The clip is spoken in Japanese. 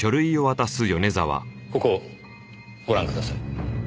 ここをご覧ください。